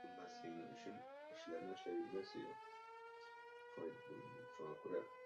Я прошу отразить это заявление в официальных отчетах Первого комитета.